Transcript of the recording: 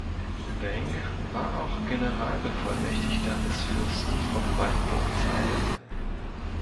Weng war auch Generalbevollmächtigter des Fürsten von Waldburg-Zeil.